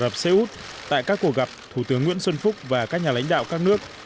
ả rập xê út tại các cuộc gặp thủ tướng nguyễn xuân phúc và các nhà lãnh đạo các nước